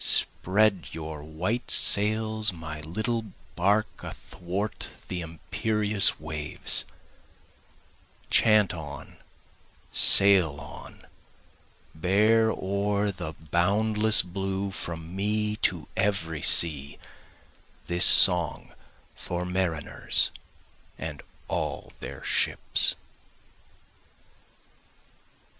spread your white sails my little bark athwart the imperious waves, Chant on, sail on, bear o'er the boundless blue from me to every sea, This song for mariners and all their ships.